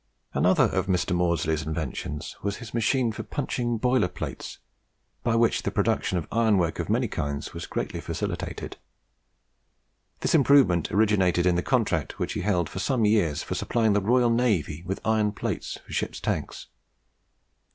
Another of Mr. Maudslay's inventions was his machine for punching boiler plates, by which the production of ironwork of many kinds was greatly facilitated. This improvement originated in the contract which he held for some years for supplying the Royal Navy with iron plates for ships' tanks.